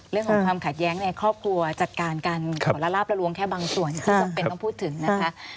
เรื่องของความขัดแย้งในครอบครัวจัดการกันขอละลาบละลวงแค่บางส่วนที่จำเป็นต้องพูดถึงนะคะ